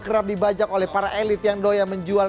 kerap dibajak oleh para elit yang doya menjual